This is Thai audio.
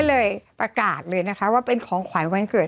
ก็เลยประกาศว่าเป็นของขวัญวันเกิด